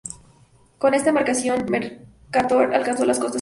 Con esta embarcación, Mercator alcanzó las costas japonesas.